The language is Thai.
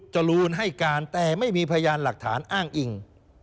จรูนให้การแต่ไม่มีพยานหลักฐานอ้างอิง